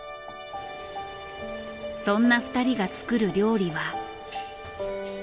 そんな２人が作る料理は。